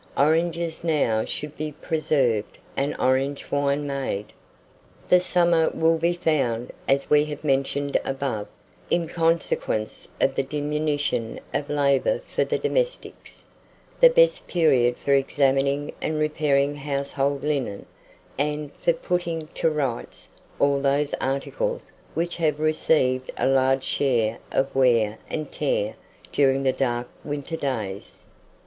Oranges now should be preserved, and orange wine made. The summer will be found, as we have mentioned above, in consequence of the diminution of labour for the domestics, the best period for examining and repairing household linen, and for "putting to rights" all those articles which have received a large share of wear and tear during the dark winter days.